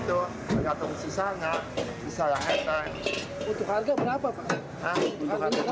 untuk harga berapa pak